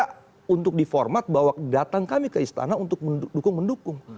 jadi tidak ada untuk diformat bahwa datang kami ke istana untuk mendukung mendukung